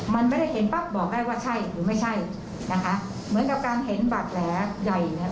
มันไม่ได้เห็นปั๊บบอกได้ว่าใช่หรือไม่ใช่นะคะเหมือนกับการเห็นบาดแผลใหญ่อย่างนั้น